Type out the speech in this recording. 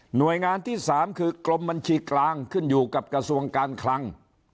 หน่วยงานที่๓คือกรมบัญชีกลางขึ้นอยู่กับกระทรวงการคลัง